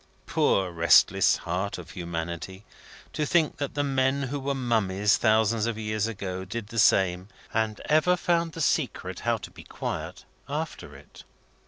Poor restless heart of humanity! To think that the men who were mummies thousands of years ago, did the same, and ever found the secret how to be quiet after it!